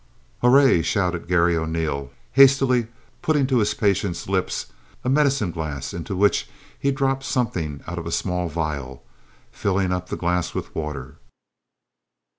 "Hurray!" shouted Garry O'Neil, hastily putting to his patient's lips a medicine glass, into which he dropped something out of a small vial, filling up the glass with water.